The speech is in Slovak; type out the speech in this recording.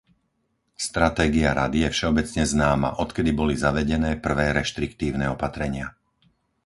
Stratégia Rady je všeobecne známa, odkedy boli zavedené prvé reštriktívne opatrenia.